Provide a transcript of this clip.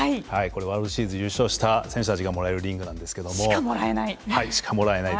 ワールドシリーズ優勝した選手たちがもらえるリングなんですけれども。しかもらえない。